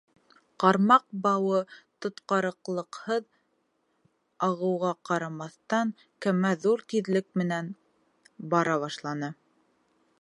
Ҡармаҡ бауы тотҡарлыҡһыҙ ағылыуға ҡарамаҫтан, кәмә ҙур тиҙлек менән бара башланы.